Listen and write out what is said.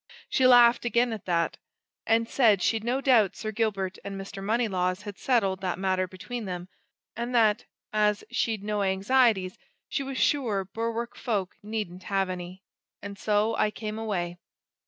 She laughed again at that, and said she'd no doubt Sir Gilbert and Mr. Moneylaws had settled that matter between them, and that, as she'd no anxieties, she was sure Berwick folk needn't have any. And so I came away."